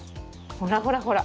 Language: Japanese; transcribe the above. ほらほらほら。